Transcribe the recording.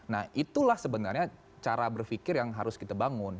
nah itulah sebenarnya cara berpikir yang harus kita bangun